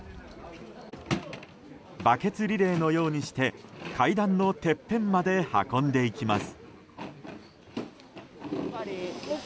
バケツリレーのようにして階段のてっぺんまで運んでいきます。